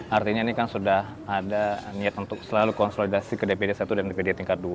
artinya ini kan sudah ada niat untuk selalu konsolidasi ke dpd satu dan dpd tingkat dua